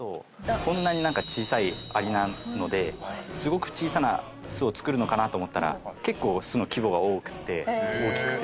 こんなに小さいアリなのですごく小さな巣を作るのかなと思ったら結構巣の規模が多くて大きくて。